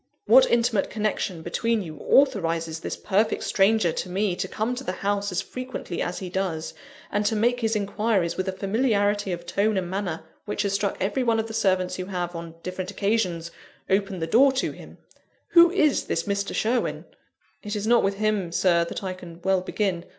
What intimate connection between you authorises this perfect stranger to me to come to the house as frequently as he does, and to make his inquiries with a familiarity of tone and manner which has struck every one of the servants who have, on different occasions, opened the door to him? Who is this Mr. Sherwin?" "It is not with him, Sir, that I can well begin.